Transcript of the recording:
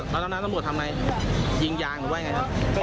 แล้วตอนนั้นตำรวจทำไงยิงยางหรือว่าไงครับ